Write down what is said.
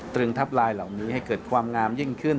ทับลายเหล่านี้ให้เกิดความงามยิ่งขึ้น